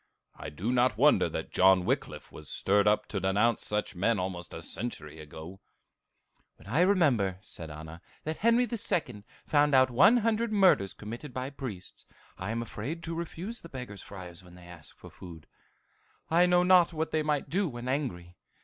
I do not wonder that John Wickliffe was stirred up to denounce such men almost a century ago!" "When I remember," said Anna, "that Henry II. found out one hundred murders committed by priests, I am afraid to refuse the beggar friars when they ask for food. I know not what they might do when angry.